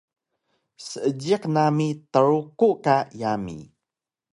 Seejiq nami Truku ka yami